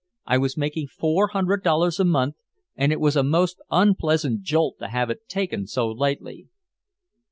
I was making four hundred dollars a month, and it was a most unpleasant jolt to have it taken so lightly.